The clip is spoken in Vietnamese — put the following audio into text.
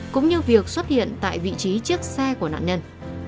cũng như việc xuất hiện tại vị trí chiếc xe của nạn nhân